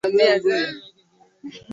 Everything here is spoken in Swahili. ikabidi kwanza uweze kuu